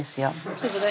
そうですね